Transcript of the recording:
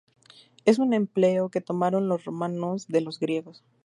Es un empleo que tomaron los romanos de los griegos.